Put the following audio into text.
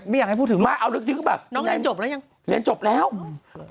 ไม่อยากให้พูดถึงลูกน้องเรียนจบแล้วยัง